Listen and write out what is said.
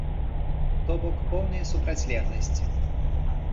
То бок поўныя супрацьлегласці.